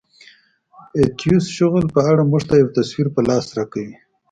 اتیوس شغل په اړه موږ ته یو تصویر په لاس راکوي.